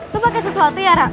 lu pake sesuatu ya ra